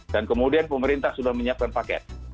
dan kemudian pemerintah sudah menyiapkan paket